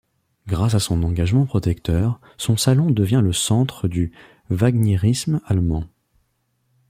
Grâce à son engagement protecteur, son salon devient le centre du wagnérisme allemand.